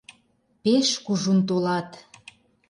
Пеш кужун толат.